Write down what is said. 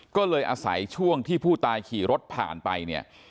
ก็เลยอาศัยช่วงที่ผู้ตายขี่รถผ่านไปเนี่ย